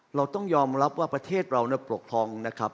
เราต้องยอมรับว่าประเทศเราปกครองนะครับ